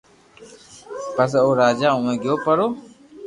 پسو او راجا اووہ گيو پرو